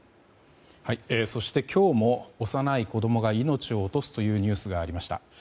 そして、今日も幼い子供が命を落とすというニュースがありました。